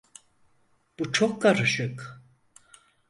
Bu çok karışık.